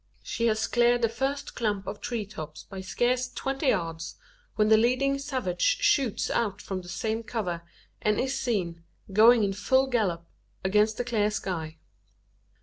She has cleared the first clump of tree tops by scarce twenty yards, when the leading savage shoots out from the same cover, and is seen, going in full gallop, against the clear sky.